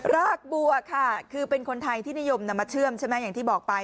รากบัวค่ะคือเป็นคนไทยที่นิยมนำมาเชื่อมใช่ไหมอย่างที่บอกไป